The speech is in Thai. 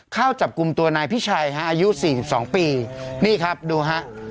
เข้าจับกลุ่มตัวนายพิชัยฮะอายุสี่สิบสองปีนี่ครับดูฮะ